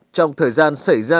trong thời gian xảy ra